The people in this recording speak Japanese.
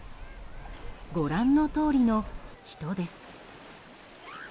ご覧のとおりの人です。